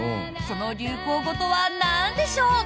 その流行語とはなんでしょう？